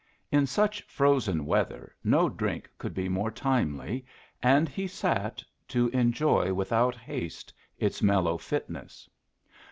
In such frozen weather no drink could be more timely, and he sat, to enjoy without haste its mellow fitness.